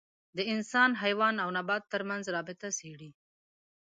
د انسان، حیوان او نبات تر منځ رابطه څېړي.